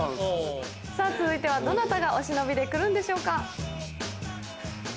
さぁ続いてはどなたがお忍びで来るんでしょうか。